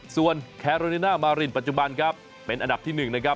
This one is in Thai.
ส่วนแคโรนิน่ามารินปัจจุบันครับเป็นอันดับที่๑นะครับ